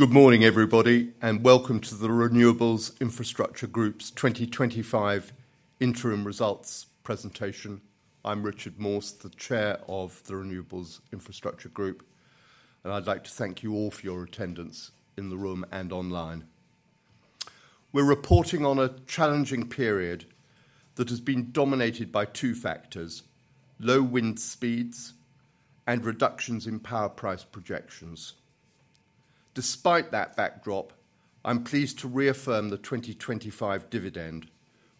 Good morning, everybody, and welcome to The Renewables Infrastructure Group's 2025 Interim Results Presentation. I'm Richard Morse, the Chair of The Renewables Infrastructure Group, and I'd like to thank you all for your attendance in the room and online. We're reporting on a challenging period that has been dominated by two factors: low wind speeds and reductions in power price projections. Despite that backdrop, I'm pleased to reaffirm the 2025 dividend,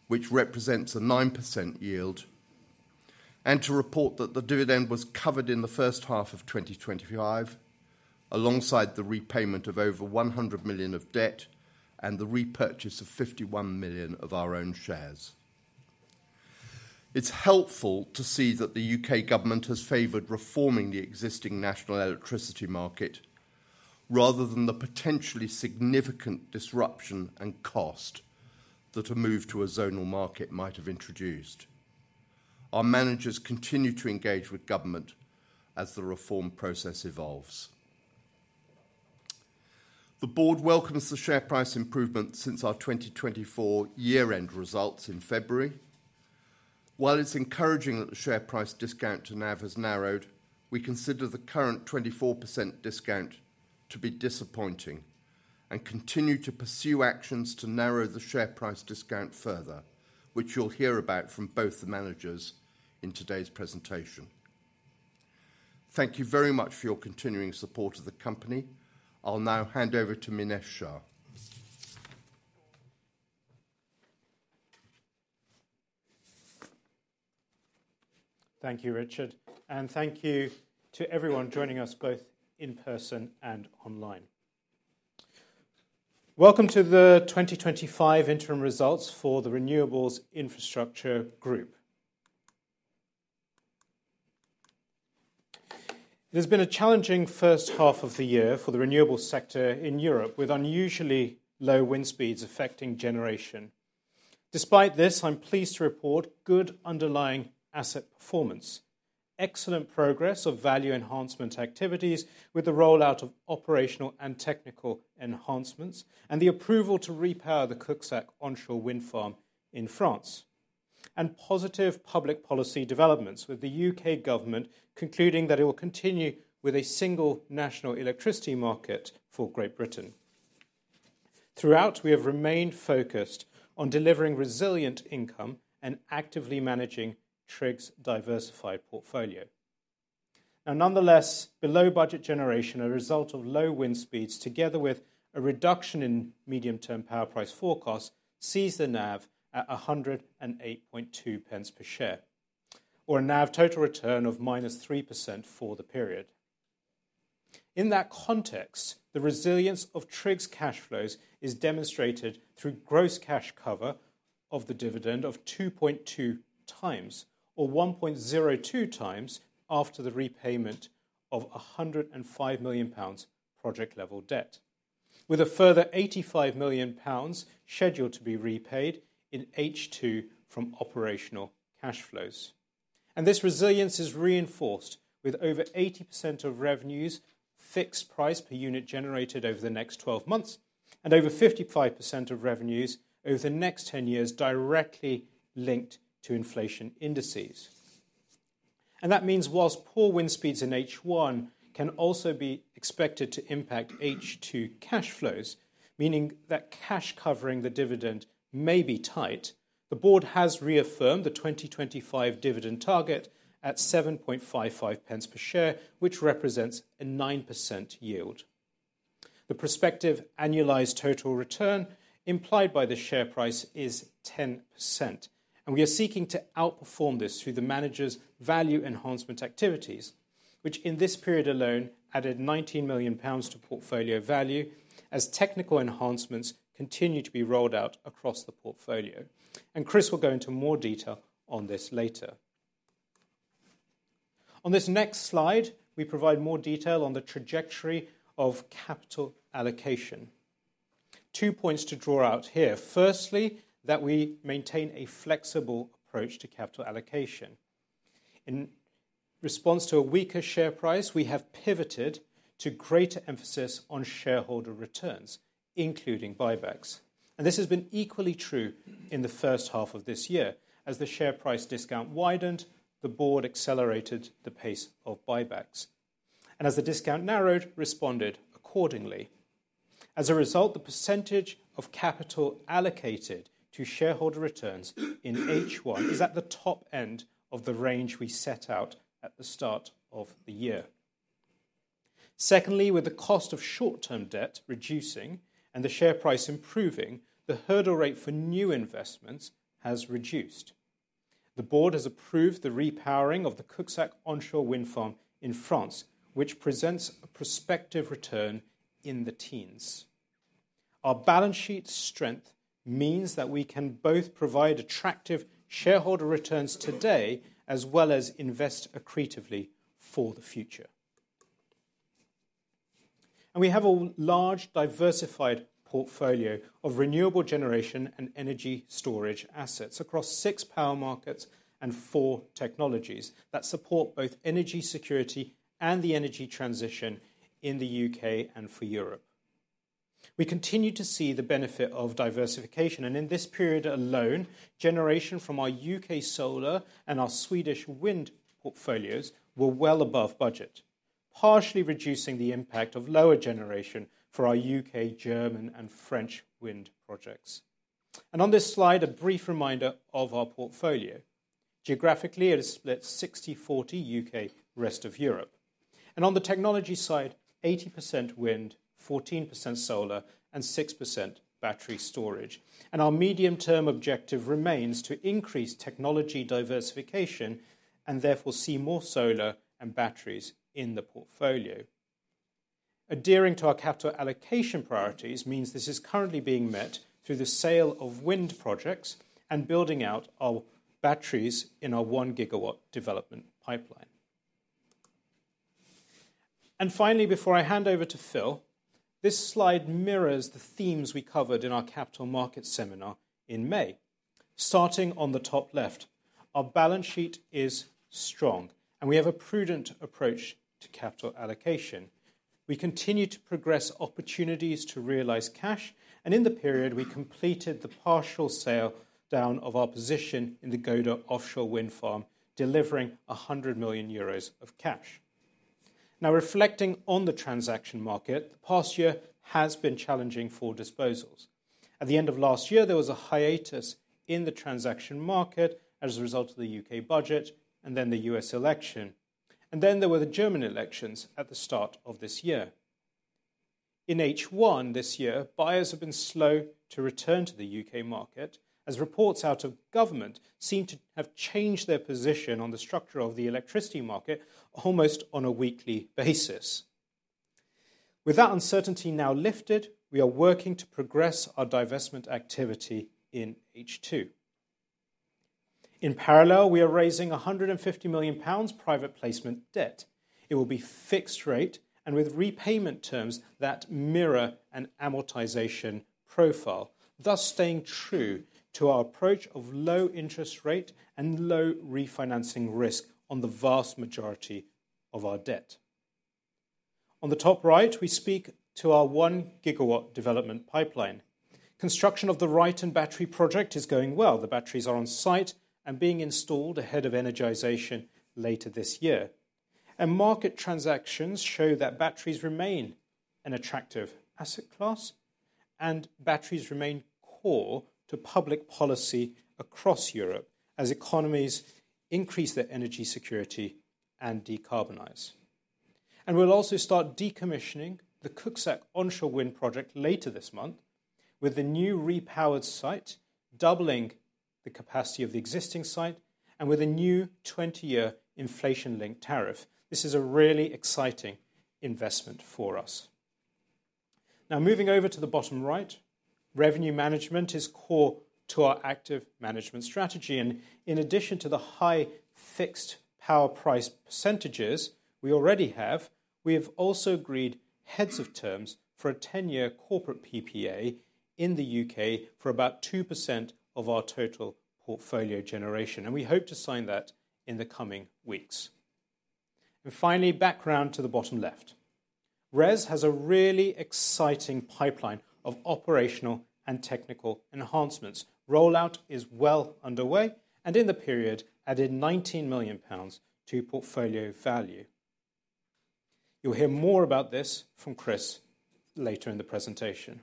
which represents a 9% yield, and to report that the dividend was covered in the first half of 2025, alongside the repayment of over £100 million of debt and the repurchase of £51 million of our own shares. It's helpful to see that the UK government has favored reforming the existing national electricity market, rather than the potentially significant disruption and cost that a move to a zonal market might have introduced. Our managers continue to engage with government as the reform process evolves. The Board welcomes the share price improvements since our 2024 year-end results in February. While it's encouraging that the share price discount to NAV has narrowed, we consider the current 24% discount to be disappointing and continue to pursue actions to narrow the share price discount further, which you'll hear about from both the managers in today's presentation. Thank you very much for your continuing support of the company. I'll now hand over to Minesh Shah. Thank you, Richard, and thank you to everyone joining us both in person and online. Welcome to the 2025 Interim Results for The Renewables Infrastructure Group. It has been a challenging first half of the year for the renewable sector in Europe, with unusually low wind speeds affecting generation. Despite this, I'm pleased to report good underlying asset performance, excellent progress of value enhancement activities with the rollout of operational and technical enhancements, and the approval to repower the Cuxac onshore wind farm in France, and positive public policy developments with the UK government concluding that it will continue with a single national electricity market for Great Britain. Throughout, we have remained focused on delivering resilient income and actively managing TRIG's diversified portfolio. Nonetheless, below-budget generation as a result of low wind speeds, together with a reduction in medium-term power price forecasts, sees the NAV at 108.2 pence per share, or a NAV total return of -3% for the period. In that context, the resilience of TRIG's cash flows is demonstrated through gross cash cover of the dividend of 2.2x, or 1.02x after the repayment of 105 million pounds project-level debt, with a further 85 million pounds scheduled to be repaid in H2 from operational cash flows. This resilience is reinforced with over 80% of revenues fixed price per unit generated over the next 12 months and over 55% of revenues over the next 10 years directly linked to inflation indices. That means whilst poor wind speeds in H1 can also be expected to impact H2 cash flows, meaning that cash covering the dividend may be tight, the board has reaffirmed the 2025 dividend target at 7.55 pence per share, which represents a 9% yield. The prospective annualized total return implied by the share price is 10%. We are seeking to outperform this through the managers' value enhancement activities, which in this period alone added 19 million pounds to portfolio value as technical enhancements continue to be rolled out across the portfolio. Chris will go into more detail on this later. On this next slide, we provide more detail on the trajectory of capital allocation. Two points to draw out here. Firstly, that we maintain a flexible approach to capital allocation. In response to a weaker share price, we have pivoted to greater emphasis on shareholder returns, including buybacks. This has been equally true in the first half of this year. As the share price discount widened, the board accelerated the pace of buybacks. As the discount narrowed, responded accordingly. As a result, the percentage of capital allocated to shareholder returns in H1 is at the top end of the range we set out at the start of the year. Secondly, with the cost of short-term debt reducing and the share price improving, the hurdle rate for new investments has reduced. The board has approved the repowering of the Cuxac onshore wind farm in France, which presents a prospective return in the teens. Our balance sheet strength means that we can both provide attractive shareholder returns today as well as invest accretively for the future. We have a large diversified portfolio of renewable generation and energy storage assets across six power markets and four technologies that support both energy security and the energy transition in the UK and for Europe. We continue to see the benefit of diversification, and in this period alone, generation from our U.K. solar and our Swedish wind portfolios were well above budget, partially reducing the impact of lower generation for our U.K., German, and French wind projects. On this slide, a brief reminder of our portfolio. Geographically, it is split 60/40 U.K., rest of Europe. On the technology side, 80% wind, 14% solar, and 6% battery storage. Our medium-term objective remains to increase technology diversification and therefore see more solar and batteries in the portfolio. Adhering to our capital allocation priorities means this is currently being met through the sale of wind projects and building out our batteries in our one-gigawatt development pipeline. Finally, before I hand over to Phil, this slide mirrors the themes we covered in our capital markets seminar in May. Starting on the top left, our balance sheet is strong, and we have a prudent approach to capital allocation. We continue to progress opportunities to realize cash, and in the period, we completed the partial sale down of our position in the Gode Offshore Wind Farm, delivering €100 million of cash. Now, reflecting on the transaction market, the past year has been challenging for disposals. At the end of last year, there was a hiatus in the transaction market as a result of the U.K. budget and then the U.S. election. There were the German elections at the start of this year. In H1 this year, buyers have been slow to return to the U.K. market as reports out of government seem to have changed their position on the structure of the electricity market almost on a weekly basis. With that uncertainty now lifted, we are working to progress our divestment activity in H2. In parallel, we are raising 150 million pounds private placement debt. It will be fixed rate and with repayment terms that mirror an amortization profile, thus staying true to our approach of low interest rate and low refinancing risk on the vast majority of our debt. On the top right, we speak to our 1 GW development pipeline. Construction of the Ryton battery project is going well. The batteries are on site and being installed ahead of energization later this year. Market transactions show that batteries remain an attractive asset class and batteries remain core to public policy across Europe as economies increase their energy security and decarbonize. We'll also start decommissioning the Cuxac onshore wind project later this month with the new repowered site doubling the capacity of the existing site and with a new 20-year inflation-linked tariff. This is a really exciting investment for us. Now, moving over to the bottom right, revenue management is core to our active management strategy. In addition to the high fixed power price percentages we already have, we have also agreed heads of terms for a 10-year corporate PPA in the U.K. for about 2% of our total portfolio generation. We hope to sign that in the coming weeks. Finally, background to the bottom left. RES has a really exciting pipeline of operational and technical enhancements. Rollout is well underway, and in the period, added £19 million to portfolio value. You'll hear more about this from Chris later in the presentation.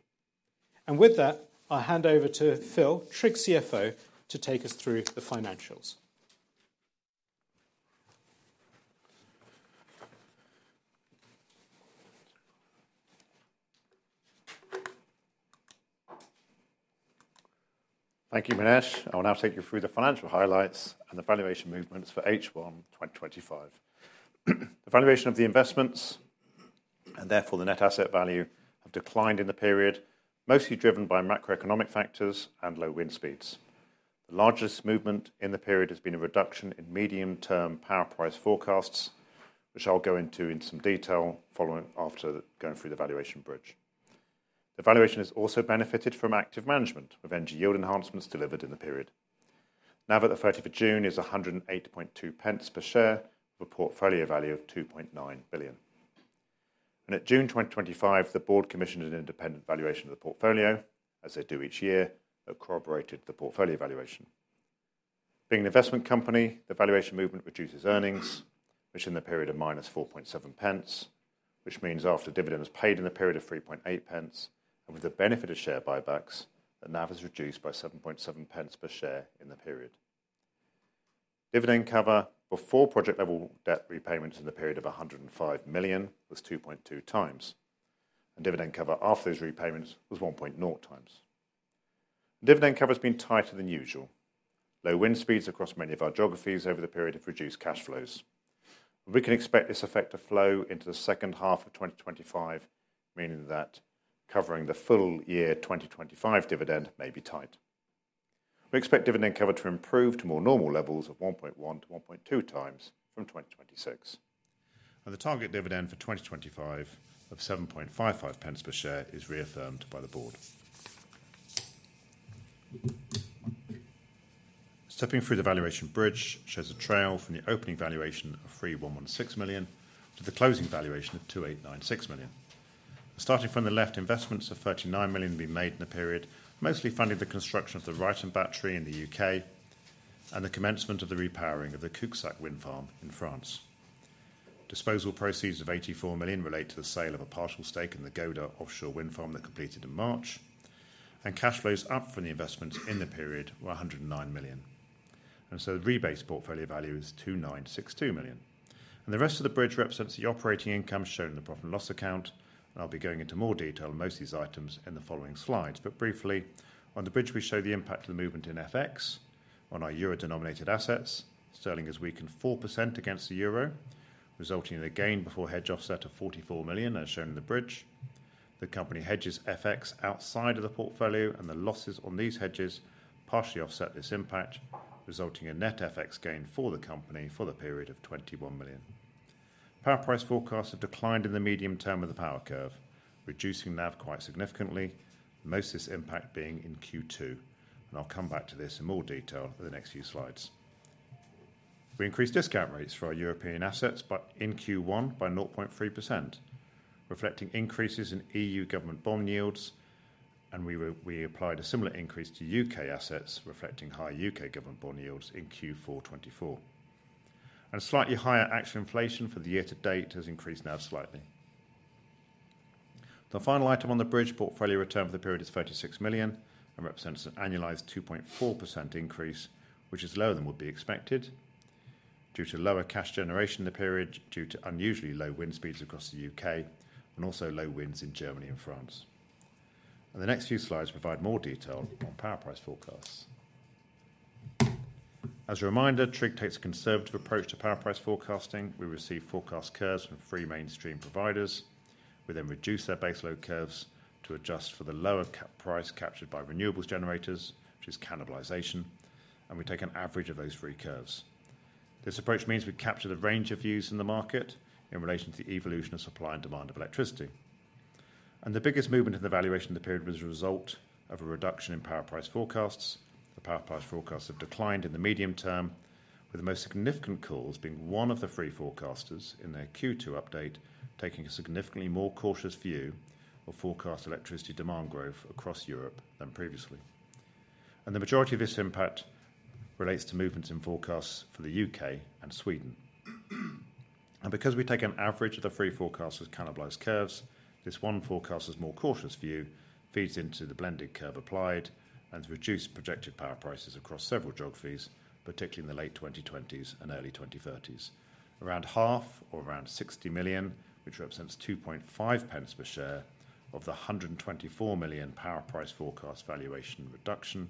With that, I'll hand over to Phil, TRIG CFO, to take us through the financials. Thank you, Minesh. I'll now take you through the financial highlights and the valuation movements for H1 2025. The valuation of the investments and therefore the net asset value have declined in the period, mostly driven by macroeconomic factors and low wind speeds. The largest movement in the period has been a reduction in medium-term power price forecasts, which I'll go into in some detail after going through the valuation bridge. The valuation has also benefited from active management with energy yield enhancements delivered in the period. NAV at the 30th of June is 1.082 per share with a portfolio value of 2.9 billion. At June 2025, the board commissioned an independent valuation of the portfolio, as they do each year, that corroborated the portfolio valuation. Being an investment company, the valuation movement reduces earnings, which in the period are -0.047 pence, which means after dividend is paid in the period of 0.038 pence, and with the benefit of share buybacks, the NAV has reduced by 0.077 pence per share in the period. Dividend cover for four project-level debt repayments in the period of 105 million was 2.2x, and dividend cover after these repayments was 1.0x. Dividend cover has been tighter than usual. Low wind speeds across many of our geographies over the period have reduced cash flows. We can expect this effect to flow into the second half of 2025, meaning that covering the full year 2025 dividend may be tight. We expect dividend cover to improve to more normal levels of 1.1x-1.2x from 2026. The target dividend for 2025 of 0.0755 pence per share is reaffirmed by the board. Stepping through the valuation bridge shows a trail from the opening valuation of 3.16 billion to the closing valuation of 2.896 billion. Starting from the left, investments of 39 million have been made in the period, mostly funding the construction of the Ryton battery project in the UK and the commencement of the repowering of the Cuxac wind farm in France. Disposal proceeds of 84 million relate to the sale of a partial stake in the Gode Offshore Wind Farm that completed in March, and cash flows up from the investments in the period were 109 million. The rebase portfolio value is 2.962 billion. The rest of the bridge represents the operating income shown in the profit and loss account, and I'll be going into more detail on most of these items in the following slides. Briefly, on the bridge, we show the impact of the movement in FX on our euro-denominated assets. Sterling has weakened 4% against the euro, resulting in a gain before hedge offset of 44 million, as shown in the bridge. The company hedges FX outside of the portfolio, and the losses on these hedges partially offset this impact, resulting in net FX gain for the company for the period of 21 million. Power price forecasts have declined in the medium term of the power curve, reducing NAV quite significantly, most of this impact being in Q2. I'll come back to this in more detail in the next few slides. We increased discount rates for our European assets, in Q1 by 0.3%, reflecting increases in EU government bond yields, and we applied a similar increase to U.K. assets, reflecting high U.K. government bond yields in Q4 2024. A slightly higher action inflation for the year to date has increased NAV slightly. The final item on the bridge portfolio return for the period is 36 million and represents an annualized 2.4% increase, which is lower than would be expected due to lower cash generation in the period due to unusually low wind speeds across the U.K. and also low winds in Germany and France. The next few slides provide more detail on power price forecasts. As a reminder, TRIG takes a conservative approach to power price forecasting. We receive forecast curves from three mainstream providers. We then reduce their baseload curves to adjust for the lower cap price captured by renewables generators, which is cannibalization, and we take an average of those three curves. This approach means we capture the range of views in the market in relation to the evolution of supply and demand of electricity. The biggest movement in the valuation of the period was a result of a reduction in power price forecasts. The power price forecasts have declined in the medium term, with the most significant calls being one of the three forecasters in their Q2 update taking a significantly more cautious view of forecast electricity demand growth across Europe than previously. The majority of this impact relates to movements in forecasts for the U.K. and Sweden. Because we take an average of the three forecasts with cannibalized curves, this one forecast with more cautious view feeds into the blended curve applied and has reduced projected power prices across several geographies, particularly in the late 2020s and early 2030s. Around half, or around 60 million, which represents 2.5 pence per share of the 124 million power price forecast valuation reduction,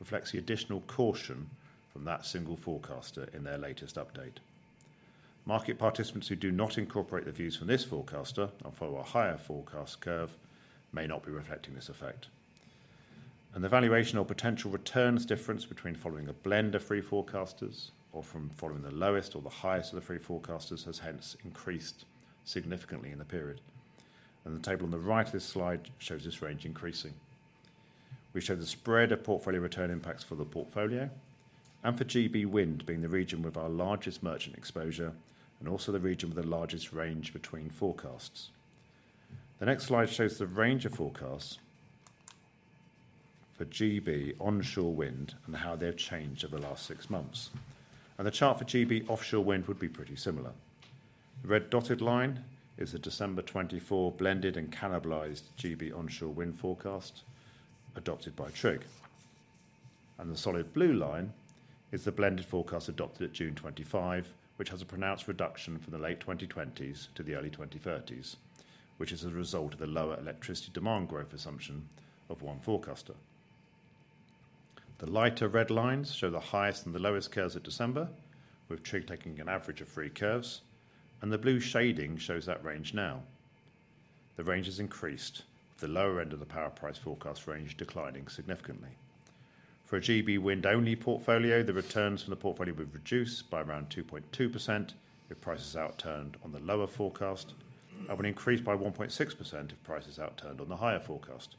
reflects the additional caution from that single forecaster in their latest update. Market participants who do not incorporate the views from this forecaster and follow a higher forecast curve may not be reflecting this effect. The valuation or potential returns difference between following a blend of three forecasters or from following the lowest or the highest of the three forecasters has hence increased significantly in the period. The table on the right of this slide shows this range increasing. We show the spread of portfolio return impacts for the portfolio and for GB Wind, being the region with our largest merchant exposure and also the region with the largest range between forecasts. The next slide shows the range of forecasts for GB onshore wind and how they've changed over the last six months. The chart for GB offshore wind would be pretty similar. The red dotted line is the December 2024 blended and cannibalized GB onshore wind forecast adopted by TRIG. The solid blue line is the blended forecast adopted at June 2025, which has a pronounced reduction from the late 2020s to the early 2030s, which is a result of the lower electricity demand growth assumption of one forecaster. The lighter red lines show the highest and the lowest curves at December, with TRIG taking an average of three curves, and the blue shading shows that range now. The range has increased with the lower end of the power price forecast range declining significantly. For a GB wind-only portfolio, the returns from the portfolio would reduce by around 2.2% if prices outturned on the lower forecast and would increase by 1.6% if prices outturned on the higher forecast.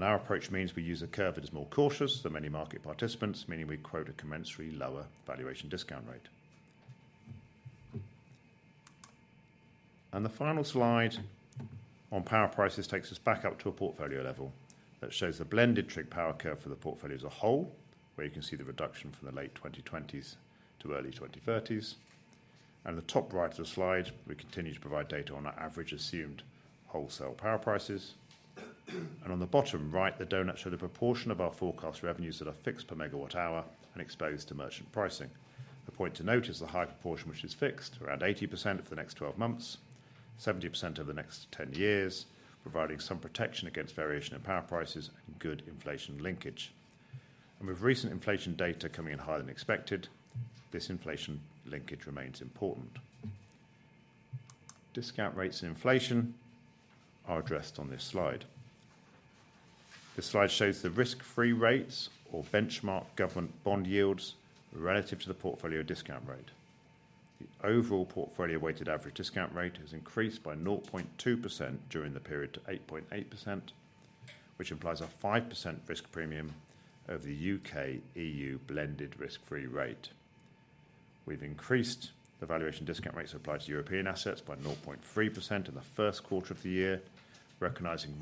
Our approach means we use a curve that is more cautious than many market participants, meaning we quote a commensurately lower valuation discount rate. The final slide on power prices takes us back up to a portfolio level that shows the blended TRIG power curve for the portfolio as a whole, where you can see the reduction from the late 2020s to early 2030s. At the top right of the slide, we continue to provide data on our average assumed wholesale power prices. On the bottom right, the donut showed the proportion of our forecast revenues that are fixed per megawatt hour and exposed to merchant pricing. A point to note is the high proportion which is fixed, around 80% for the next 12 months, 70% over the next 10 years, providing some protection against variation in power prices and good inflation linkage. With recent inflation data coming in higher than expected, this inflation linkage remains important. Discount rates and inflation are addressed on this slide. This slide shows the risk-free rates or benchmark government bond yields relative to the portfolio discount rate. The overall portfolio weighted average discount rate has increased by 0.2% during the period to 8.8%, which implies a 5% risk premium over the U.K./EU blended risk-free rate. We've increased the valuation discount rates applied to European assets by 0.3% in the first quarter of the year, recognizing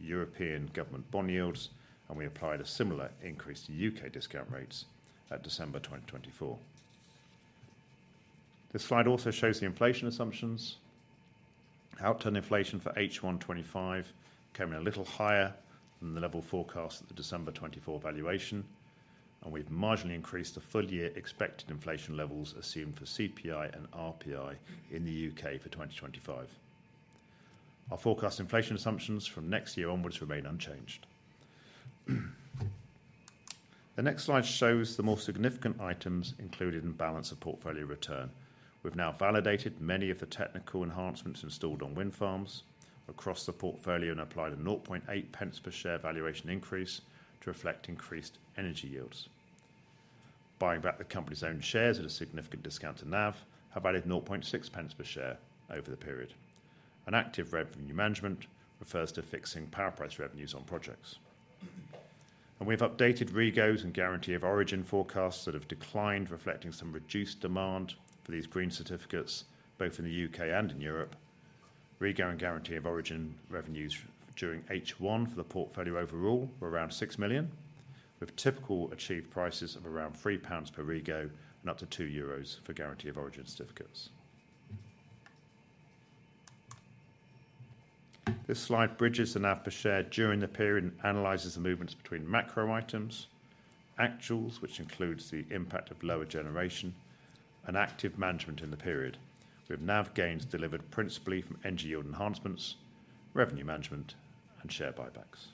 rising European government bond yields, and we applied a similar increase to U.K. discount rates at December 2024. This slide also shows the inflation assumptions. Outturn inflation for H1 2025 came in a little higher than the level forecast at the December 2024 valuation, and we've marginally increased the full-year expected inflation levels assumed for CPI and RPI in the U.K. for 2025. Our forecast inflation assumptions from next year onwards remain unchanged. The next slide shows the more significant items included in the balance of portfolio return. We've now validated many of the technical enhancements installed on wind farms across the portfolio and applied a 0.8 pence per share valuation increase to reflect increased energy yields. Buying back the company's own shares at a significant discount to NAV has added 0.6 pence per share over the period. Active revenue management refers to fixing power price revenues on projects. We've updated REGOs and Guarantees of Origin forecasts that have declined, reflecting some reduced demand for these green certificates both in the U.K. and in Europe. REGO and Guarantees of Origin revenues during H1 for the portfolio overall were around 6 million, with typical achieved prices of around 3 pounds per REGO and up to GBP 2 for Guarantees of Origin certificates. This slide bridges the NAV per share during the period and analyzes the movements between macro items, actuals, which includes the impact of lower generation, and active management in the period, with NAV gains delivered principally from energy yield enhancements, revenue management, and share buybacks.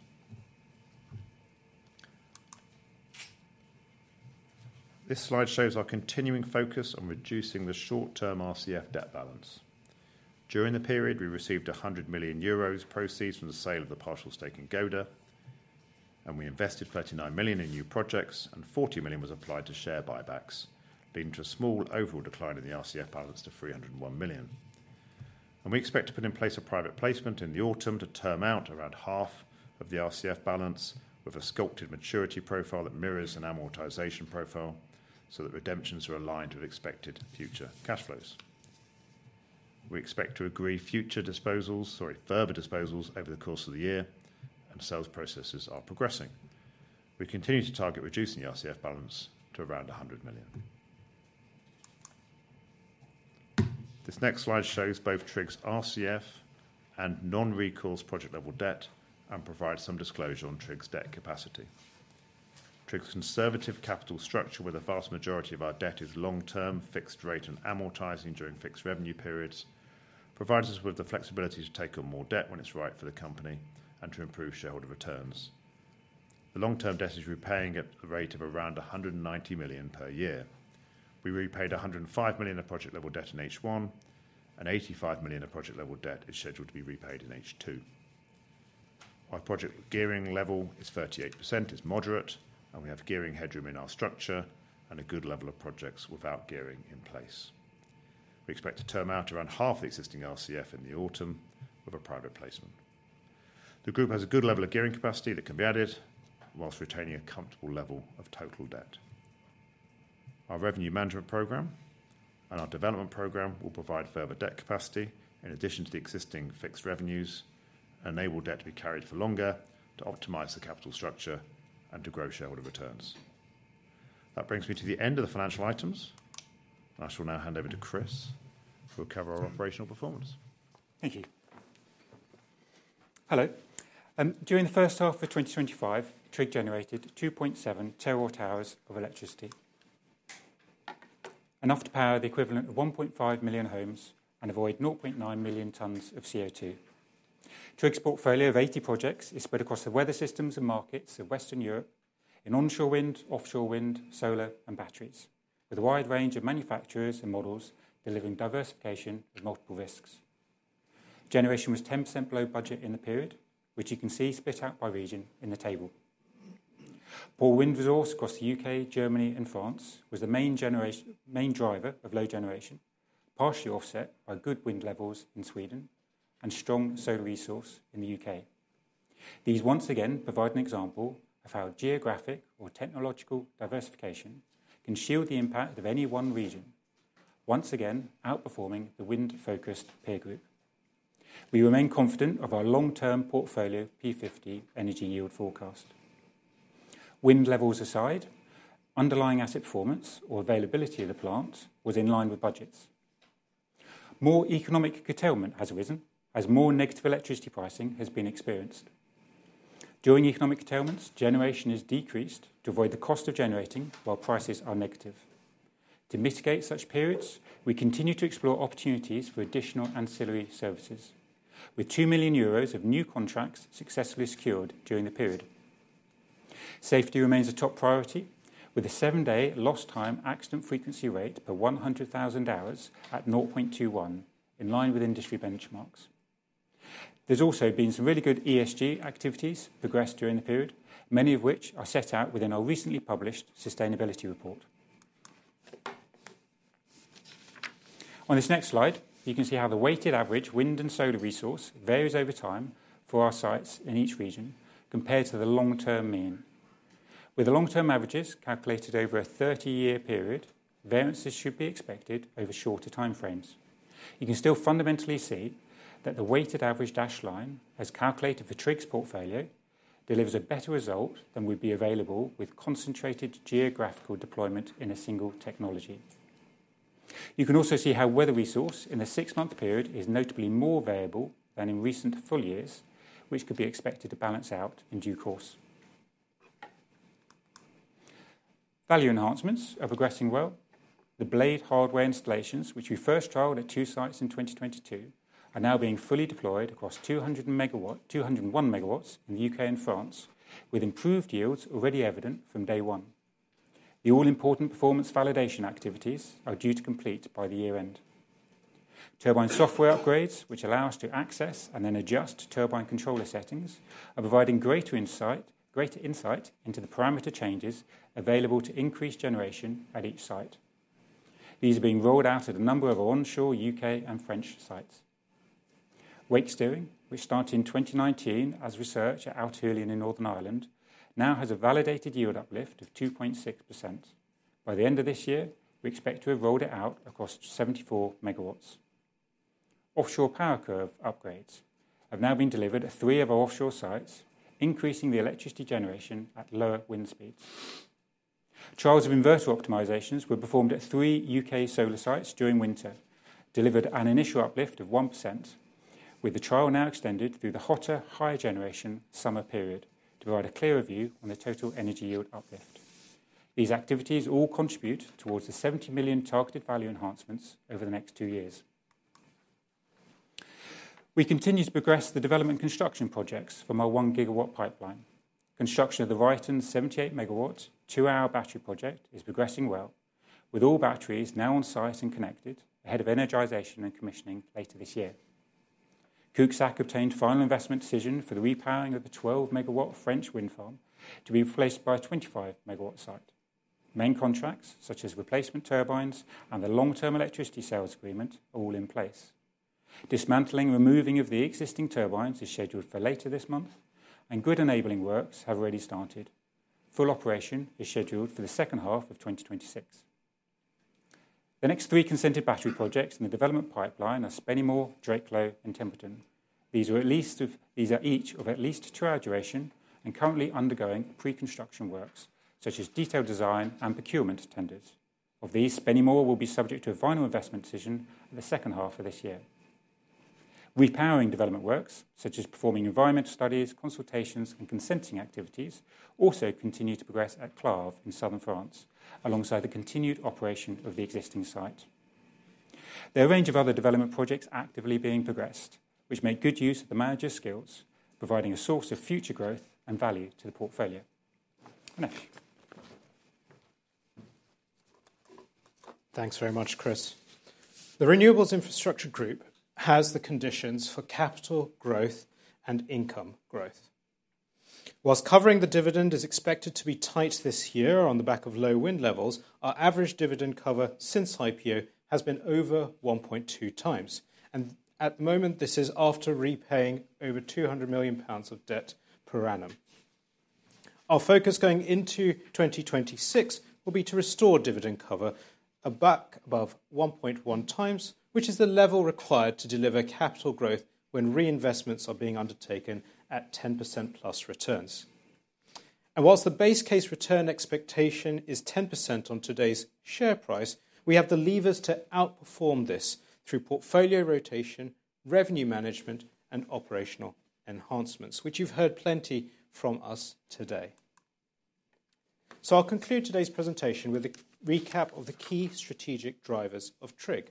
This slide shows our continuing focus on reducing the short-term RCF debt balance. During the period, we received 100 million euros proceeds from the sale of the partial stake in Gode, and we invested 39 million in new projects, and 40 million was applied to share buybacks, leading to a small overall decline in the RCF balance to 301 million. We expect to put in place a private placement in the autumn to term out around half of the RCF balance with a sculpted maturity profile that mirrors an amortization profile so that redemptions are aligned with expected future cash flows. We expect to agree further disposals over the course of the year, and sales processes are progressing. We continue to target reducing the RCF balance to around 100 million. This next slide shows both TRIG's RCF and non-recourse project-level debt and provides some disclosure on TRIG's debt capacity. TRIG's conservative capital structure, with a vast majority of our debt, is long-term, fixed-rate and amortizing during fixed revenue periods, provides us with the flexibility to take on more debt when it's right for the company and to improve shareholder returns. The long-term debt is repaying at a rate of around 190 million per year. We repaid 105 million of project-level debt in H1, and 85 million of project-level debt is scheduled to be repaid in H2. Our project gearing level is 38%, is moderate, and we have gearing headroom in our structure and a good level of projects without gearing in place. We expect to term out around half the existing RCF in the autumn with a private placement. The group has a good level of gearing capacity that can be added whilst retaining a comfortable level of total debt. Our revenue management program and our development program will provide further debt capacity in addition to the existing fixed revenues and enable debt to be carried for longer to optimize the capital structure and to grow shareholder returns. That brings me to the end of the financial items. I shall now hand over to Chris, who will cover our operational performance. Thank you. Hello. During the first half of 2025, TRIG generated 2.7 terawatt-hours of electricity and off-to-power the equivalent of 1.5 million homes and avoid 0.9 million tons of CO2. TRIG's portfolio of 80 projects is spread across the weather systems and markets of Western Europe in onshore wind, offshore wind, solar, and batteries, with a wide range of manufacturers and models delivering diversification with multiple risks. Generation was 10% below budget in the period, which you can see split out by region in the table. Poor wind resource across the U.K., Germany, and France was the main driver of low generation, partially offset by good wind levels in Sweden and strong solar resource in the U.K. These once again provide an example of how geographic or technological diversification can shield the impact of any one region, once again outperforming the wind-focused peer group. We remain confident of our long-term portfolio P50 energy yield forecast. Wind levels aside, underlying asset performance or availability of the plants was in line with budgets. More economic curtailment has arisen as more negative electricity pricing has been experienced. During economic curtailments, generation is decreased to avoid the cost of generating while prices are negative. To mitigate such periods, we continue to explore opportunities for additional ancillary services, with 2 million euros of new contracts successfully secured during the period. Safety remains a top priority, with a seven-day lost time accident frequency rate per 100,000 hours at 0.21, in line with industry benchmarks. There's also been some really good ESG activities progressed during the period, many of which are set out within our recently published sustainability report. On this next slide, you can see how the weighted average wind and solar resource varies over time for our sites in each region compared to the long-term mean. With the long-term averages calculated over a 30-year period, variances should be expected over shorter timeframes. You can still fundamentally see that the weighted average dash line as calculated for TRIG's portfolio delivers a better result than would be available with concentrated geographical deployment in a single technology. You can also see how weather resource in the six-month period is notably more variable than in recent full years, which could be expected to balance out in due course. Value enhancements are progressing well. The blade hardware installations, which we first trialed at two sites in 2022, are now being fully deployed across 201 MW in the U.K. and France, with improved yields already evident from day one. The all-important performance validation activities are due to complete by the year-end. Turbine software upgrades, which allow us to access and then adjust turbine controller settings, are providing greater insight into the parameter changes available to increase generation at each site. These are being rolled out at a number of onshore U.K. and French sites. Wake Steering, which started in 2019 as research at Altahullion in Northern Ireland, now has a validated yield uplift of 2.6%. By the end of this year, we expect to have rolled it out across 74 MW. Offshore power curve upgrades have now been delivered at three of our offshore sites, increasing the electricity generation at lower wind speeds. Trials of inverter optimizations were performed at three U.K. solar sites during winter, delivered an initial uplift of 1%, with the trial now extended through the hotter, higher generation summer period to provide a clearer view on the total energy yield uplift. These activities all contribute towards the 70 million targeted value enhancements over the next two years. We continue to progress the development construction projects from our 1 GW pipeline. Construction of the Ryton 78-MW two-hour battery project is progressing well, with all batteries now on site and connected ahead of energization and commissioning later this year. Cuxac obtained final investment decision for the repowering of the 12 MW French wind farm to be replaced by a 25 MW site. Main contracts, such as replacement turbines and the long-term electricity sales agreement, are all in place. Dismantling and removing of the existing turbines is scheduled for later this month, and good enabling works have already started. Full operation is scheduled for the second half of 2026. The next three consented battery projects in the development pipeline are Spennymoor, Drakelow, and Templeton. These are each of at least two hours' duration and currently undergoing pre-construction works, such as detailed design and procurement tenders. Of these, Spennymoor will be subject to a final investment decision in the second half of this year. Repowering development works, such as performing environmental studies, consultations, and consenting activities, also continue to progress at Clarve in southern France, alongside the continued operation of the existing site. There are a range of other development projects actively being progressed, which make good use of the manager's skills, providing a source of future growth and value to the portfolio. Thank you. Thanks very much, Chris. The Renewables Infrastructure Group has the conditions for capital growth and income growth. Whilst covering the dividend is expected to be tight this year on the back of low wind levels, our average dividend cover since IPO has been over 1.2x, and at the moment, this is after repaying over 200 million pounds of debt per annum. Our focus going into 2026 will be to restore dividend cover back above 1.1x, which is the level required to deliver capital growth when reinvestments are being undertaken at 10%+ returns. Whilst the base case return expectation is 10% on today's share price, we have the levers to outperform this through portfolio rotation, revenue management, and operational enhancements, which you've heard plenty from us today. I'll conclude today's presentation with a recap of the key strategic drivers of TRIG.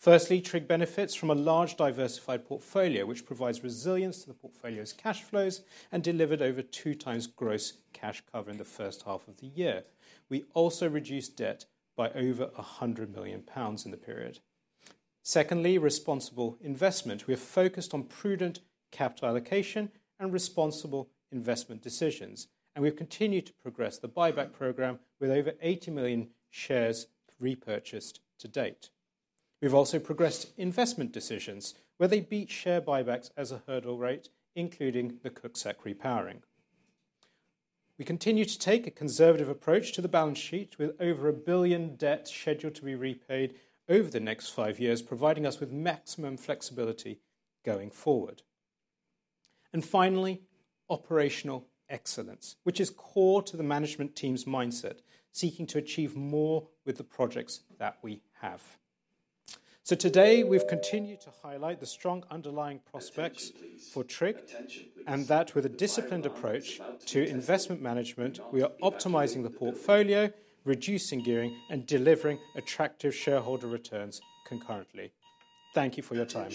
Firstly, TRIG benefits from a large diversified portfolio, which provides resilience to the portfolio's cash flows and delivered over 2x gross cash cover in the first half of the year. We also reduced debt by over 100 million pounds in the period. Secondly, responsible investment. We have focused on prudent capital allocation and responsible investment decisions, and we've continued to progress the buyback program with over 80 million shares repurchased to date. We've also progressed investment decisions, where they beat share buybacks as a hurdle rate, including the Cuxac repowering. We continue to take a conservative approach to the balance sheet with over 1 billion debt scheduled to be repaid over the next five years, providing us with maximum flexibility going forward. Finally, operational excellence, which is core to the management team's mindset, seeking to achieve more with the projects that we have. Today, we've continued to highlight the strong underlying prospects for TRIG, and that with a disciplined approach to investment management, we are optimizing the portfolio, reducing gearing, and delivering attractive shareholder returns concurrently. Thank you for your time.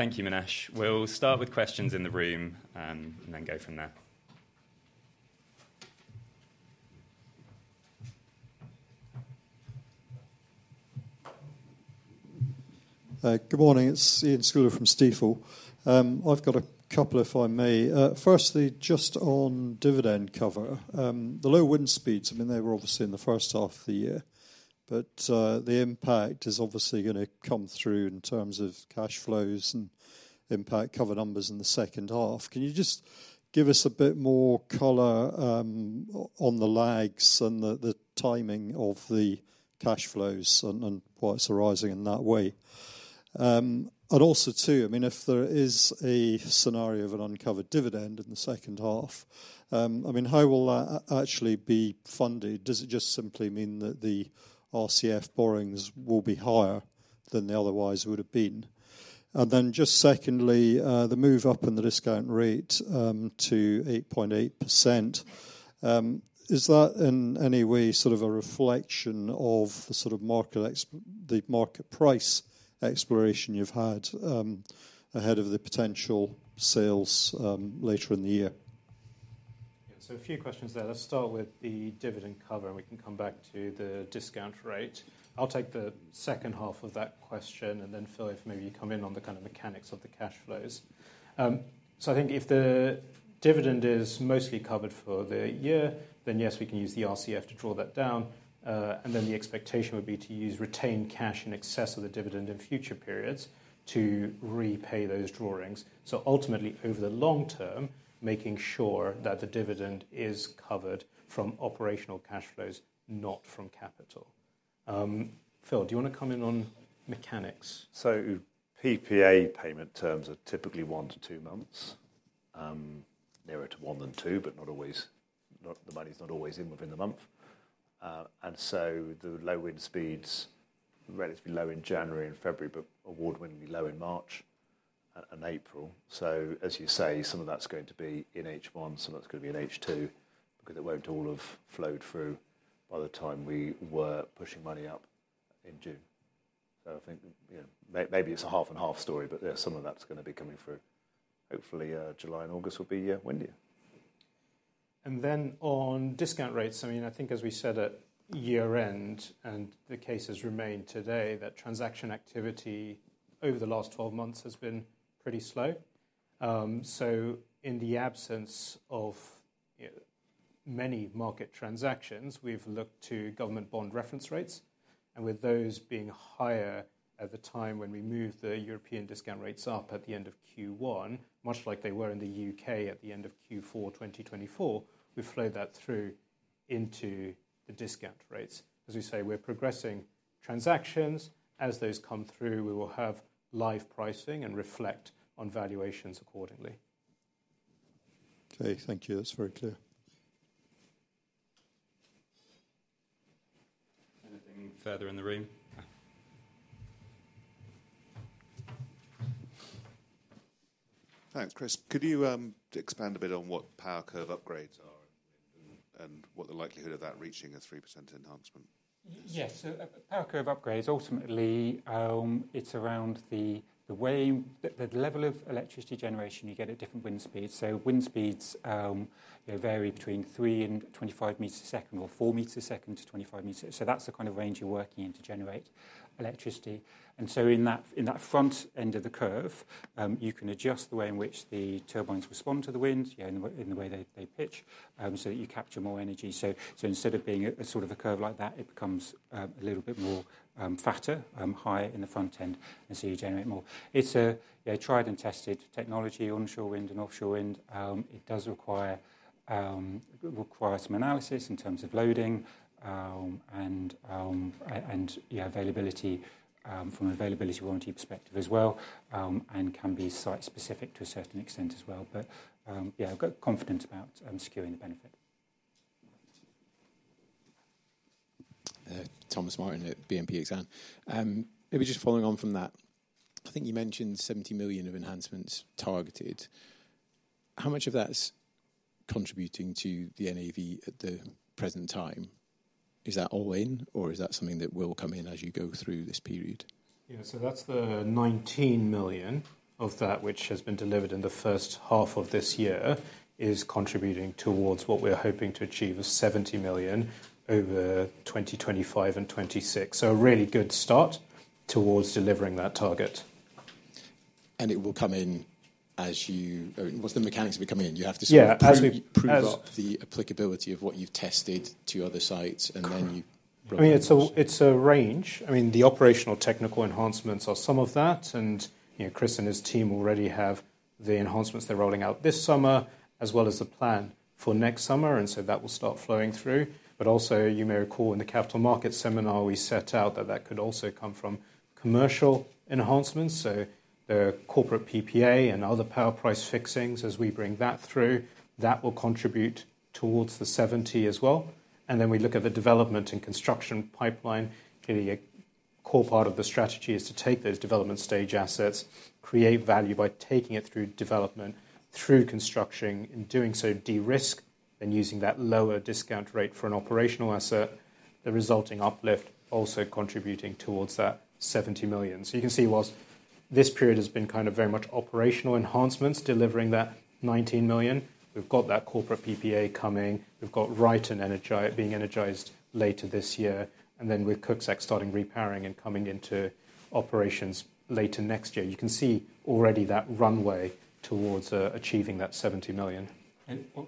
Thank you, Minesh. We'll start with questions in the room and then go from there. Good morning. It's Iain Scouller from Stifel. I've got a couple, if I may. Firstly, just on dividend cover, the low wind speeds, I mean, they were obviously in the first half of the year, but the impact is obviously going to come through in terms of cash flows and impact cover numbers in the second half. Can you just give us a bit more color on the lags and the timing of the cash flows and why it's arising in that way? Also, I mean, if there is a scenario of an uncovered dividend in the second half, I mean, how will that actually be funded? Does it just simply mean that the RCF borrowings will be higher than they otherwise would have been? Secondly, the move up in the discount rate to 8.8%, is that in any way a reflection of the sort of market price exploration you've had ahead of the potential sales later in the year? A few questions there. Let's start with the dividend cover, and we can come back to the discount rate. I'll take the second half of that question, and then Phil, if maybe you come in on the kind of mechanics of the cash flows. I think if the dividend is mostly covered for the year, then yes, we can use the RCF to draw that down, and then the expectation would be to use retained cash in excess of the dividend in future periods to repay those drawings. Ultimately, over the long term, making sure that the dividend is covered from operational cash flows, not from capital. Phil, do you want to come in on mechanics? PPA payment terms are typically one to two months, nearer to one than two, but not always. The money's not always in within the month. The low wind speeds, relatively low in January and February, but award-winningly low in March and April. As you say, some of that's going to be in H1, some of that's going to be in H2, because it won't all have flowed through by the time we were pushing money up in June. I think, you know, maybe it's a half and half story, but yeah, some of that's going to be coming through. Hopefully, July and August will be windier. On discount rates, I think as we said at year end and the case remains today, transaction activity over the last 12 months has been pretty slow. In the absence of many market transactions, we've looked to government bond reference rates, and with those being higher at the time when we moved the European discount rates up at the end of Q1, much like they were in the U.K. at the end of Q4 2024, we've flowed that through into the discount rates. As we say, we're progressing transactions. As those come through, we will have live pricing and reflect on valuations accordingly. Thank you. That's very clear. Anything further in the room? Thanks, Chris. Could you expand a bit on what power curve upgrades are, and what the likelihood of that reaching a 3% enhancement? Yeah, so power curve upgrades, ultimately, it's around the way that the level of electricity generation you get at different wind speeds. Wind speeds vary between 3 m and 25 m a second or 4 m a second to 25 m. That's the kind of range you're working in to generate electricity. In that front end of the curve, you can adjust the way in which the turbines respond to the wind, in the way they pitch, so that you capture more energy. Instead of being a sort of a curve like that, it becomes a little bit more fatter, higher in the front end, and you generate more. It's a tried and tested technology, onshore wind and offshore wind. It does require some analysis in terms of loading and availability from an availability warranty perspective as well, and can be site specific to a certain extent as well. I've got confidence about securing the benefit. Thomas Martin at BNP Exane. Maybe just following on from that, I think you mentioned 70 million of enhancements targeted. How much of that is contributing to the NAV at the present time? Is that all in, or is that something that will come in as you go through this period? Yeah, that's the 19 million of that, which has been delivered in the first half of this year, is contributing towards what we're hoping to achieve of 70 million over 2025 and 2026. A really good start towards delivering that target. What’s the mechanics of it coming in? You have to sort of prove up the applicability of what you’ve tested to other sites, and then you run. I mean, it's a range. The operational technical enhancements are some of that, and you know, Chris and his team already have the enhancements they're rolling out this summer, as well as the plan for next summer, and that will start flowing through. You may recall in the capital markets seminar, we set out that that could also come from commercial enhancements. The corporate PPA and other power price fixings, as we bring that through, will contribute towards the 70 million as well. We look at the development and construction pipeline. Clearly, a core part of the strategy is to take those development stage assets, create value by taking it through development, through construction, in doing so de-risk, and using that lower discount rate for an operational asset, the resulting uplift also contributing towards that 70 million. You can see whilst this period has been very much operational enhancements delivering that 19 million, we've got that corporate PPA coming, we've got Ryton being energized later this year, and with Cuxac starting repowering and coming into operations later next year, you can see already that runway towards achieving that 70 million.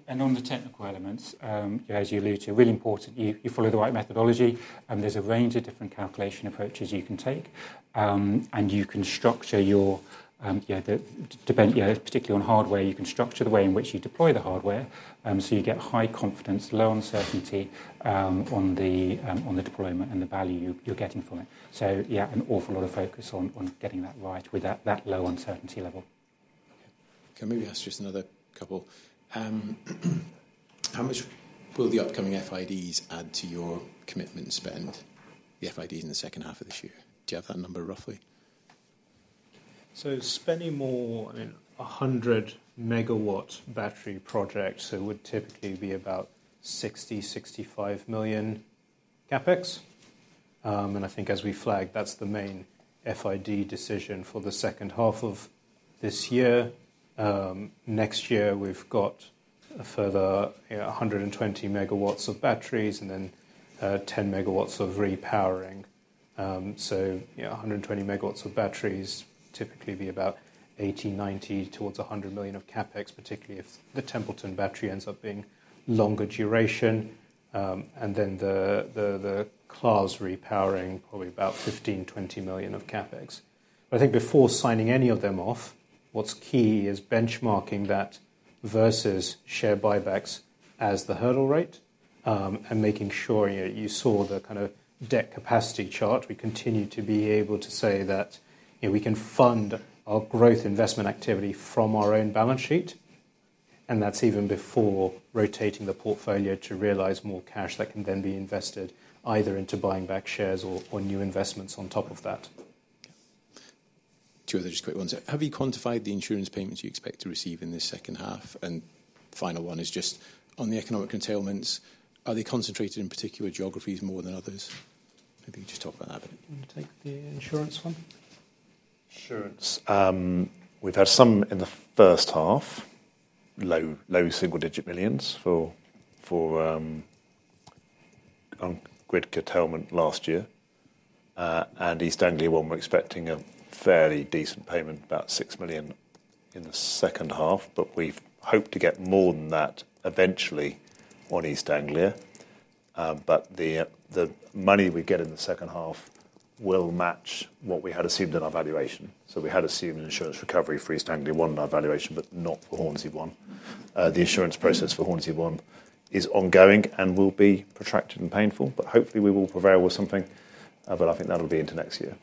On the technical elements, as you alluded to, it's really important you follow the right methodology, and there's a range of different calculation approaches you can take, and you can structure your, yeah, particularly on hardware, you can structure the way in which you deploy the hardware, so you get high confidence, low uncertainty on the deployment and the value you're getting from it. An awful lot of focus on getting that right with that low uncertainty level. Can I maybe ask just another couple? How much will the upcoming FIDs add to your commitment to spend the FIDs in the second half of this year? Do you have that number roughly? Spennymoor, I mean, 100 MW battery projects, it would typically be about 60 million-65 million CapEx. I think as we flag, that's the main FID decision for the second half of this year. Next year, we've got a further 120 MW of batteries and then 10 MW of repowering. 120 MW of batteries would typically be about 80 million, 90 million towards 100 million of CapEx, particularly if the Templeton battery ends up being longer duration. The Clarve's repowering, probably about 15 million-20 million of CapEx. Before signing any of them off, what's key is benchmarking that versus share buybacks as the hurdle rate and making sure you saw the kind of debt capacity chart. We continue to be able to say that we can fund our growth investment activity from our own balance sheet, and that's even before rotating the portfolio to realize more cash that can then be invested either into buying back shares or new investments on top of that. Two other just quick ones. Have you quantified the insurance payments you expect to receive in this second half? The final one is just on the economic curtailments. Are they concentrated in particular geographies more than others? Maybe you could just talk about that a bit. Take the insurance one. Insurance, we've had some in the first half, low single-digit millions for grid curtailment last year. For East Anglia One, we're expecting a fairly decent payment, about 6 million in the second half. We've hoped to get more than that eventually on East Anglia. The money we get in the second half will match what we had assumed in our valuation. We had assumed an insurance recovery for East Anglia One in our valuation, but not for Hornsea One. The insurance process for Hornsea One is ongoing and will be protracted and painful. Hopefully we will prevail with something. I think that'll be into next year.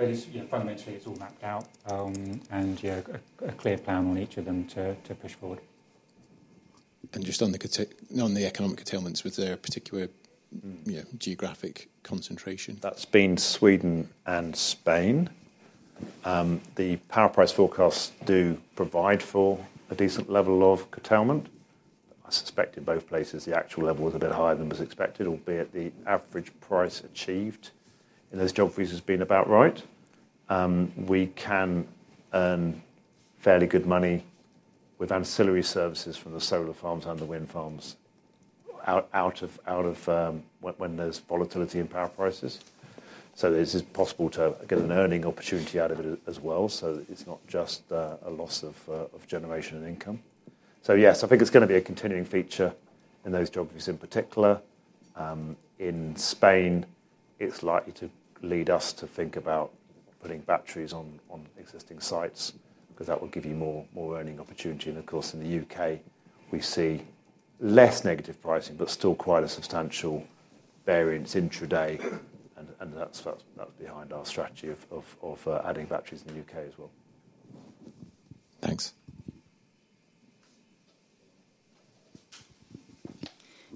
It's fundamentally, it's all mapped out, and you have a clear plan on each of them to push forward. Was there a particular geographic concentration on the economic curtailments? That's been Sweden and Spain. The power price forecasts do provide for a decent level of curtailment. I suspect in both places, the actual level was a bit higher than was expected, albeit the average price achieved in those geographies has been about right. We can earn fairly good money with ancillary services from the solar farms and the wind farms out of when there's volatility in power prices. It's possible to get an earning opportunity out of it as well. It's not just a loss of generation and income. Yes, I think it's going to be a continuing feature in those geographies in particular. In Spain, it's likely to lead us to think about putting batteries on existing sites because that will give you more earning opportunity. Of course, in the U.K., we see less negative pricing, but still quite a substantial variance intraday. That's behind our strategy of adding batteries in the U.K. as well. Thanks.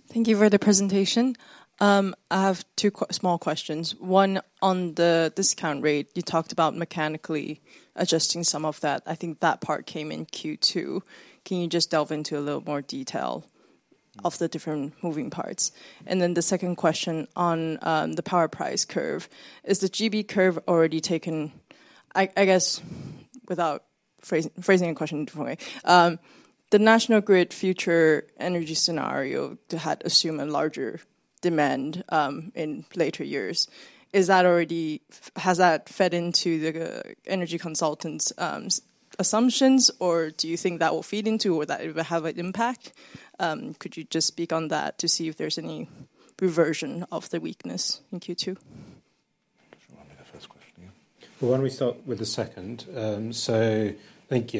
Thank you for the presentation. I have two small questions. One on the discount rate. You talked about mechanically adjusting some of that. I think that part came in Q2. Can you just delve into a little more detail of the different moving parts? The second question on the power price curve. Is the GB curve already taken, I guess, without phrasing a question in a different way? The National Grid future energy scenario had assumed a larger demand in later years. Is that already, has that fed into the energy consultants' assumptions, or do you think that will feed into or that it will have an impact? Could you just speak on that to see if there's any reversion of the weakness in Q2? Should I answer that first question? I think,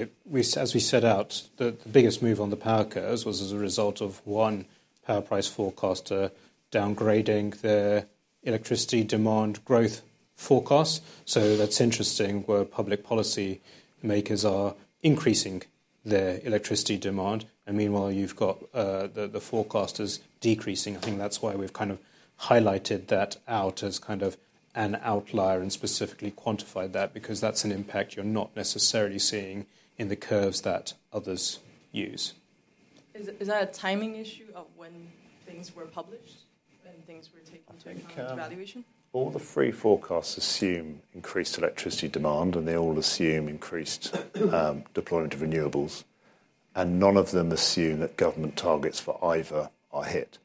as we set out, the biggest move on the power curves was as a result of one power price forecaster downgrading their electricity demand growth forecast. That's interesting where public policymakers are increasing their electricity demand. Meanwhile, you've got the forecasters decreasing. I think that's why we've kind of highlighted that out as kind of an outlier and specifically quantified that because that's an impact you're not necessarily seeing in the curves that others use. Is that a timing issue of when things were published and things were taken into account for valuation? All the three forecasts assume increased electricity demand, and they all assume increased deployment of renewables. None of them assume that government targets for either are hit.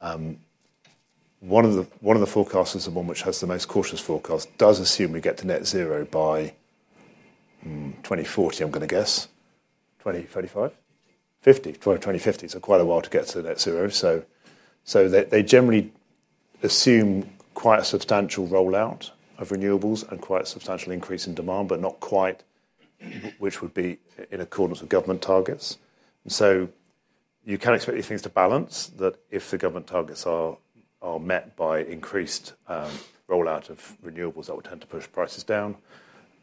One of the forecasts, the one which has the most cautious forecast, does assume we get to net zero by 2040, I'm going to guess. 2035, 2050. Quite a while to get to net zero. They generally assume quite a substantial rollout of renewables and quite a substantial increase in demand, but not quite, which would be in accordance with government targets. You can expect these things to balance, that if the government targets are met by increased rollout of renewables, that would tend to push prices down.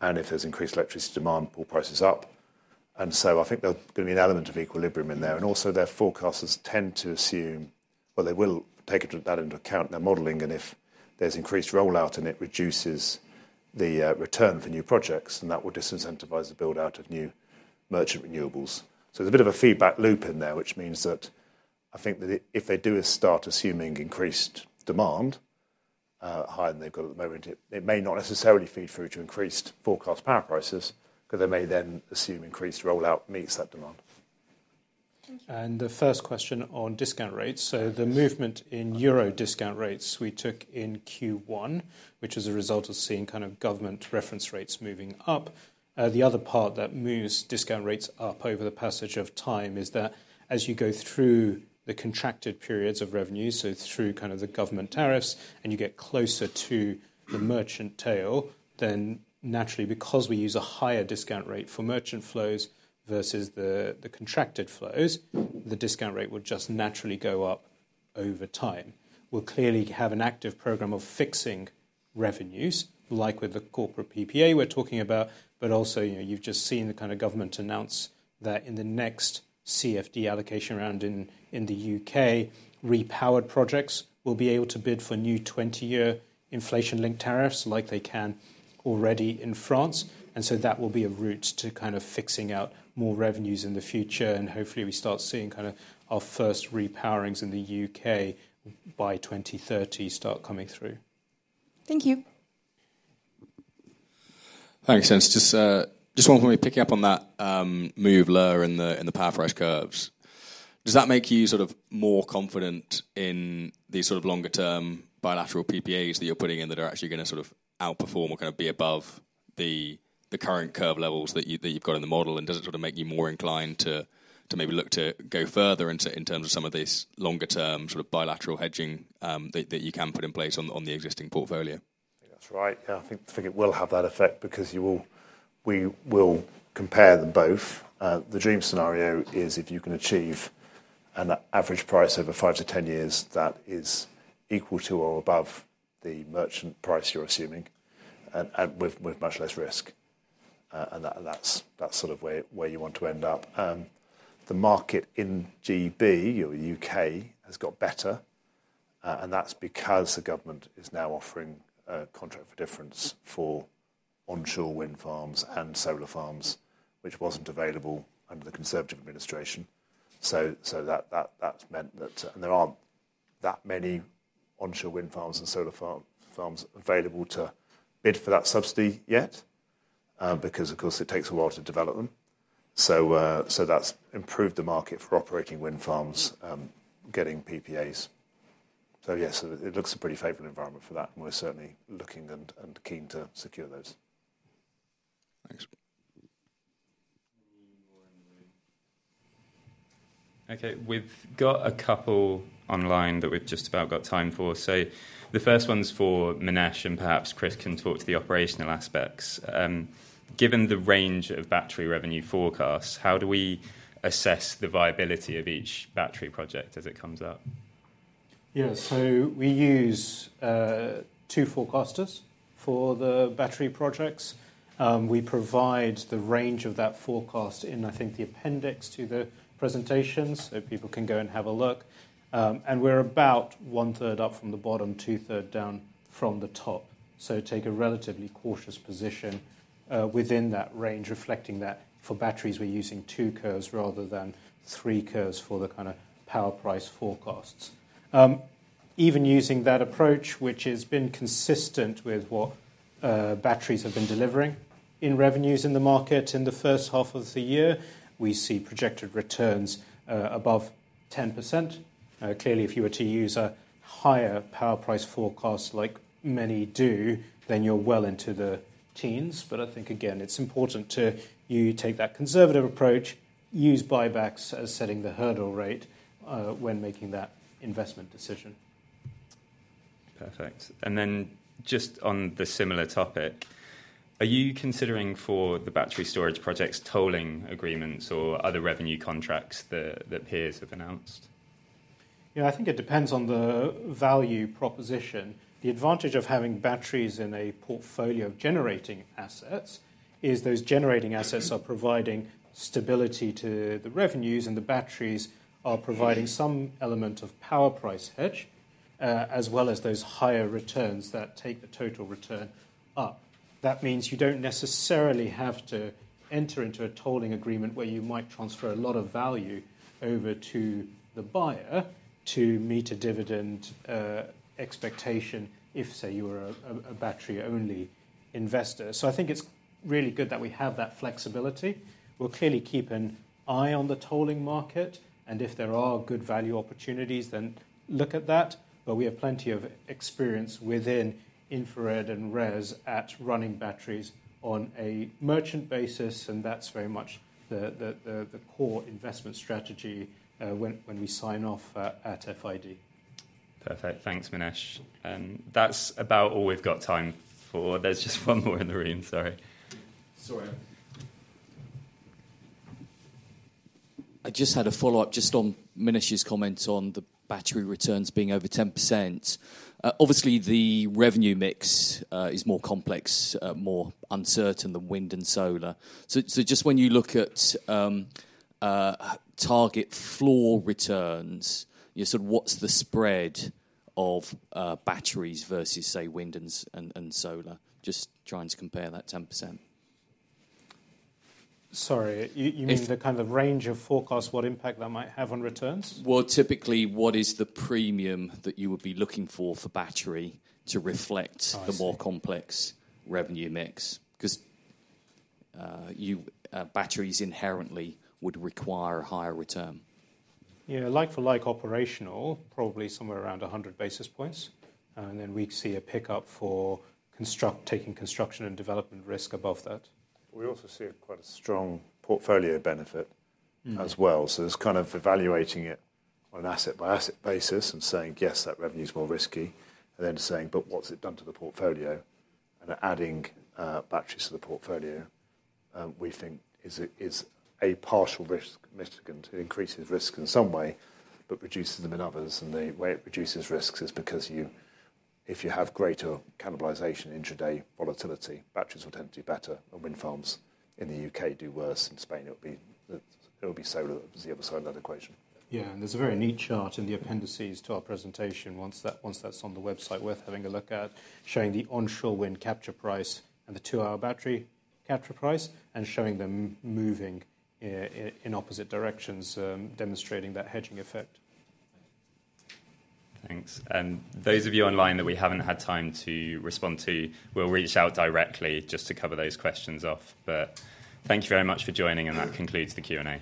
If there's increased electricity demand, pull prices up. I think there's going to be an element of equilibrium in there. Their forecasts tend to assume, they will take that into account in their modeling. If there's increased rollout and it reduces the return for new projects, then that will disincentivize the build-out of new merchant renewables. There's a bit of a feedback loop in there, which means that I think that if they do start assuming increased demand, higher than they've got at the moment, it may not necessarily feed through to increased forecast power prices, because they may then assume increased rollout meets that demand. The first question on discount rates. The movement in euro discount rates we took in Q1 is a result of seeing government reference rates moving up. The other part that moves discount rates up over the passage of time is that as you go through the contracted periods of revenue, through the government tariffs, and you get closer to the merchant tail, then naturally, because we use a higher discount rate for merchant flows versus the contracted flows, the discount rate would just naturally go up over time. We clearly have an active program of fixing revenues, like with the corporate PPA we're talking about, but also, you've just seen the government announce that in the next CFD allocation round in the U.K., repowered projects will be able to bid for new 20-year inflation-linked tariffs, like they can already in France. That will be a route to fixing out more revenues in the future. Hopefully, we start seeing our first repowerings in the U.K. by 2030 start coming through. Thank you. Thanks, Iain. Just wondering, picking up on that move lower in the power price curves, does that make you more confident in these longer-term bilateral corporate PPAs that you're putting in that are actually going to outperform or be above the current curve levels that you've got in the model? Does it make you more inclined to maybe look to go further into it in terms of some of these longer-term bilateral hedging that you can put in place on the existing portfolio? Yeah. That's right. I think it will have that effect because we will compare them both. The dream scenario is if you can achieve an average price over five to 10 years that is equal to or above the merchant price you're assuming and with much less risk. That's sort of where you want to end up. The market in the U.K. has got better, and that's because the government is now offering a contract for difference for onshore wind farms and solar farms, which wasn't available under the Conservative administration. That's meant that there aren't that many onshore wind farms and solar farms available to bid for that subsidy yet because, of course, it takes a while to develop them. That's improved the market for operating wind farms, getting corporate PPAs. Yes, it looks a pretty favorable environment for that, and we're certainly looking and keen to secure those. Thanks. Okay, we've got a couple online that we've just about got time for. The first one's for Minesh, and perhaps Chris can talk to the operational aspects. Given the range of battery revenue forecasts, how do we assess the viability of each battery project as it comes up? Yeah, we use two forecasters for the battery projects. We provide the range of that forecast in, I think, the appendix to the presentation so people can go and have a look. We're about one-third up from the bottom, two-thirds down from the top. We take a relatively cautious position within that range, reflecting that for batteries we're using two curves rather than three curves for the kind of power price forecasts. Even using that approach, which has been consistent with what batteries have been delivering in revenues in the market in the first half of the year, we see projected returns above 10%. Clearly, if you were to use a higher power price forecast like many do, then you're well into the teens. I think, again, it's important to take that conservative approach, use buybacks as setting the hurdle rate when making that investment decision. Perfect. On the similar topic, are you considering for the battery storage projects tolling agreements or other revenue contracts that peers have announced? Yeah, I think it depends on the value proposition. The advantage of having batteries in a portfolio of generating assets is those generating assets are providing stability to the revenues, and the batteries are providing some element of power price hedge, as well as those higher returns that take the total return up. That means you don't necessarily have to enter into a tolling agreement where you might transfer a lot of value over to the buyer to meet a dividend expectation if, say, you were a battery-only investor. I think it's really good that we have that flexibility. We'll clearly keep an eye on the tolling market, and if there are good value opportunities, then look at that. We have plenty of experience within InfraRed and RES at running batteries on a merchant basis, and that's very much the core investment strategy when we sign off at FID. Perfect. Thanks, Minesh. That's about all we've got time for. There's just one more in the room, sorry. Sorry I just had a follow-up on Minesh's comments on the battery returns being over 10%. Obviously, the revenue mix is more complex, more uncertain than wind and solar. When you look at target floor returns, what's the spread of batteries versus, say, wind and solar? I'm just trying to compare that 10%. Sorry, you mean the kind of range of forecasts, what impact that might have on returns? Typically, what is the premium that you would be looking for for battery to reflect the more complex revenue mix? Because batteries inherently would require a higher return. Yeah, like-for-like operational, probably somewhere around 100 basis points. We'd see a pickup for taking construction and development risk above that. We also see quite a strong portfolio benefit as well. It's kind of evaluating it on an asset-by-asset basis and saying, yes, that revenue is more risky. Then saying, but what's it done to the portfolio? Adding batteries to the portfolio, we think, is a partial risk mitigant to increase risk in some way, but reduces them in others. The way it reduces risks is because if you have greater cannibalization intraday volatility, batteries will tend to do better, or wind farms in the U.K. do worse. In Spain, it will be solar on the other side of that equation. Yeah, there's a very neat chart in the appendices to our presentation. Once that's on the website, it's worth having a look at, showing the onshore wind capture price and the two-hour battery capture price, and showing them moving in opposite directions, demonstrating that hedging effect. Thanks. Those of you online that we haven't had time to respond to, we'll reach out directly just to cover those questions off. Thank you very much for joining, and that concludes the Q&A.